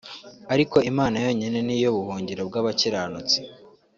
ariko Imana yonyine niyo buhungiro bw’abakiranutsi